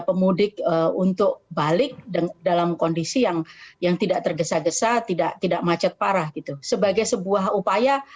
pemudik untuk balik dalam kondisi yang yang tidak tergesa gesa tidak tidak macet parah gitu sebagai sebuah upaya